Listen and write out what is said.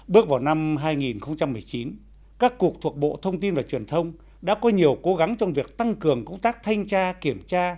bước vào năm hai nghìn một mươi chín các cuộc thuộc bộ thông tin và truyền thông đã có nhiều cố gắng trong việc tăng cường công tác thanh tra kiểm tra